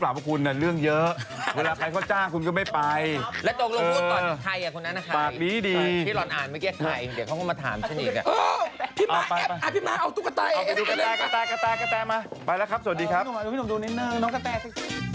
โปรดติดตามตอนต่อไป